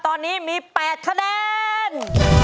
ตอนนี้มี๘คะแนน